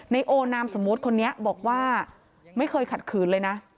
โอนามสมมุติคนนี้บอกว่าไม่เคยขัดขืนเลยนะ